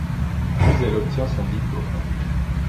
Puis elle obtient son diplôme.